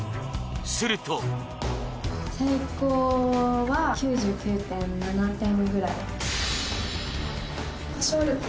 すると最高は９９．７点くらい。